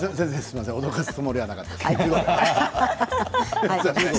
脅かすつもりはなかったんですけど。